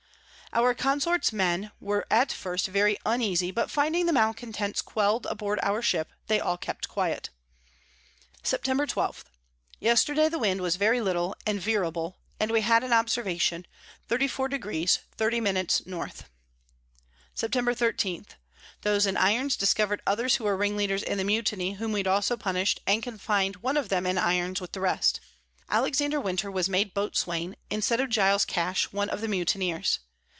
Our Consort's Men were at first very uneasy, but finding the Malecontents quell'd aboard our Ship, they all kept quiet. Sept. 12. Yesterday the Wind was very little and veerable, and we had an Observation, 34 deg. 30 min. N. Sept. 13. Those in Irons discover'd others who were Ringleaders in the Mutiny, whom we also punish'd, and confin'd one of them in Irons with the rest. Alexander Wynter was made Boatswain instead of Giles Cash, one of the Mutineers.